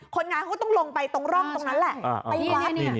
คนงานเขาต้องลงไปตรงร่องตรงนั้นแหละไปวัด